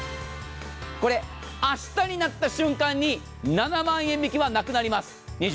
これ明日になった瞬間に７万円引きはなくなります。